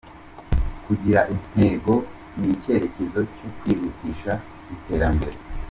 Kugira intego n’icyerekezo cyo kwihutisha iterambere.